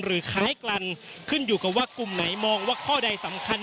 คล้ายกันขึ้นอยู่กับว่ากลุ่มไหนมองว่าข้อใดสำคัญ